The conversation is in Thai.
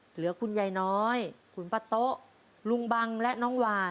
เหลือคุณยายน้อยคุณป้าโต๊ะลุงบังและน้องหวาน